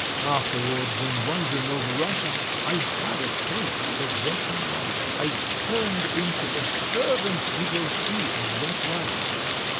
Afterwards, when wandering over Russia, I had a taste of Russian life, I turned into a fervent devotee of that life.